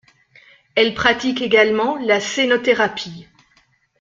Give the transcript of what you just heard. Elle pratique également la scénothérapie.